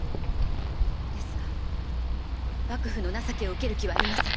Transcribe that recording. ですが幕府の情けを受ける気はありません。